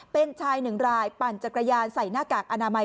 เป็นชายหนึ่งรายปั่นจักรยานใส่หน้ากากอนามัย